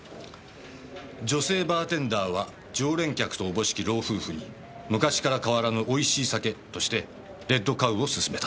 「女性バーテンダーは常連客と思しき老夫婦に昔から変わらぬ美味しい酒として『レッドカウ』を勧めた」